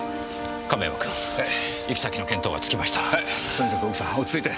とにかく奥さん落ち着いて。